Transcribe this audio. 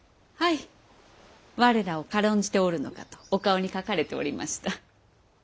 我らを軽んじておるのかとお顔に書かれておりました。